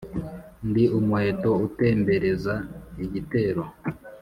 ndi umuheto utembereza igitero